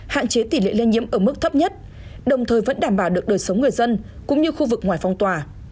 hạn chế tỷ lệ lây nhiễm ở mức thấp nhất đồng thời vẫn đảm bảo được đời sống người dân cũng như khu vực ngoài phong tỏa